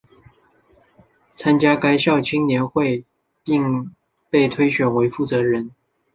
参加该校青年会并被推选为负责人。